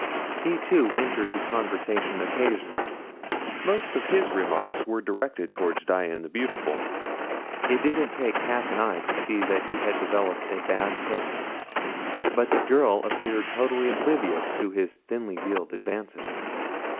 He too entered the conversation occasionally. Most of his remarks were directed toward Dian the Beautiful. It didn't take half an eye to see that he had developed a bad case; but the girl appeared totally oblivious to his thinly veiled advances.